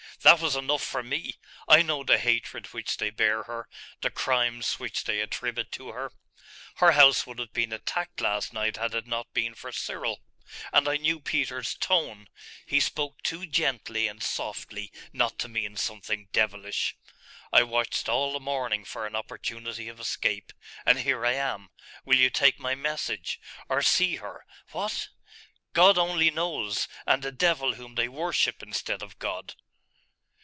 'That was enough for me. I know the hatred which they bear her, the crimes which they attribute to her. Her house would have been attacked last night had it not been for Cyril.... And I knew Peter's tone. He spoke too gently and softly not to mean something devilish. I watched all the morning for an opportunity of escape, and here I am! Will you take my message, or see her ' 'What?' 'God only knows, and the devil whom they worship instead of God.